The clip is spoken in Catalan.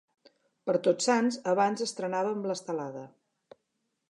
Per Tots Sants abans estrenàvem l'estelada.